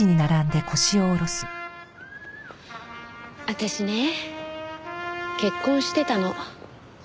私ね結婚してたの。